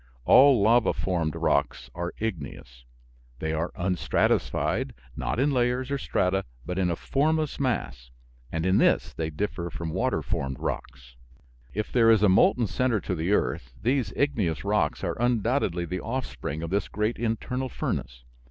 All lava formed rocks are igneous. They are unstratified, not in layers or strata, but in a formless mass, and in this they differ from water formed rocks. If there is a molten center to the earth these igneous rocks are undoubtedly the offspring of this great internal furnace.